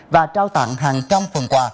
và trao tặng hàng trăm phần quà